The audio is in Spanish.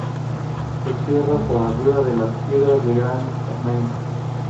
Se cierran por arriba con piedras de grande tamaño.